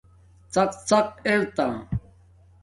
ڎڎق ارتا